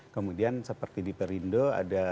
kemudian seperti di perindo ada